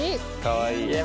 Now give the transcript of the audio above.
かわいい。